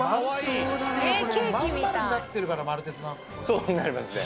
そうなりますね。